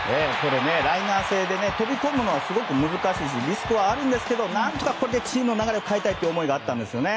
ライナー性で飛び込むのがすごく難しいしリスクはあるんですけど、何とかチームの流れを変えたいという思いがあったんですね。